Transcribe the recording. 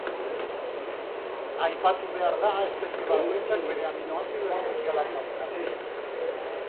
Aipatu behar da espezie bakoitzak bere aminoazido esentzialak dauzkala.